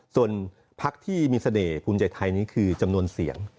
ส่วนพักที่มีเสน่ห์ภูมิใจไทยนี้คือจำนวนเสียง